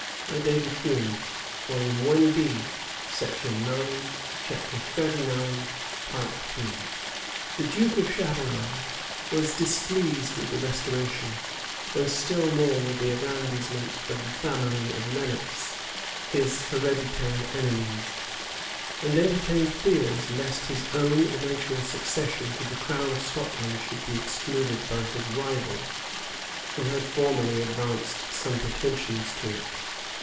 546. Knox, p. 381. Knox, p. 377. The duke of Chatelrault was displeased with the restoration, and still more with the aggrandizement of the family of Lenox, his hereditary enemies; and entertained fears lest his own eventual succession to the crown of Scotland should be excluded by his rival, who had formerly advanced some pretensions to it.